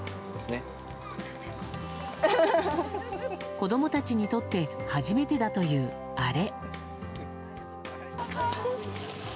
子供たちにとって初めてだという、あれ。